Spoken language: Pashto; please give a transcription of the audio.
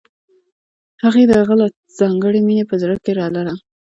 هغې د هغه لپاره ځانګړې مینه په زړه کې لرله